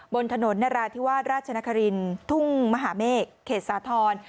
บนถนนนราธิวาสราชนครินทุ่งมหาเมฆเขตสาธรณ์